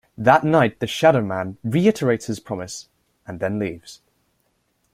That night, the shadow man reiterates his promise and then leaves.